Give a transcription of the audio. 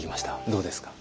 どうですか？